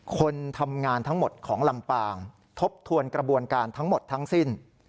คนทำงานทั้งหมดของลำปางทบทวนกระบวนการทั้งหมดทั้งสิ้น